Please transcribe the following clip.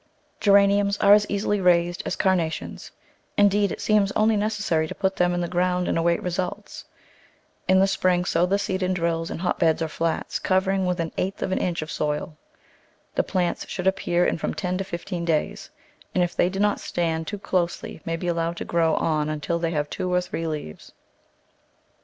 Geraniums are as easily raised as Carnations — in deed, it seems only necessary to put them in the ground and await results. In the spring sow the seed in drills in hotbeds or flats, covering with an eighth of an inch of soil. The plants should appear in from ten to fifteen days, and if they do not stand too closely may be allowed to grow on until they have two or three leaves.